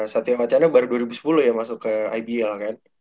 satya wacana baru dua ribu sepuluh ya masuk ke ibl kan